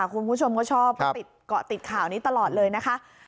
คุณผู้ชมก็ชอบก็ติดเกาะติดข่าวนี้ตลอดเลยนะคะ